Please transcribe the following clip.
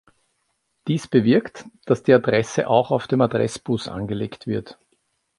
Dies bewirkt, dass die Adresse auch auf dem Adressbus angelegt wird.